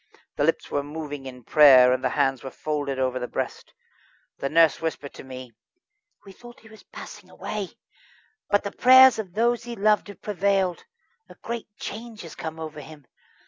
The lips were moving in prayer, and the hands were folded over the breast. The nurse whispered to me: "We thought he was passing away, but the prayers of those he loved have prevailed. A great change has come over him.